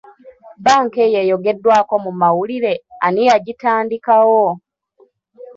Banka eyo eyogeddwako mu mawulire, ani yagitandikawo?